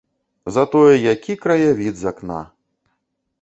Затое які краявід з акна!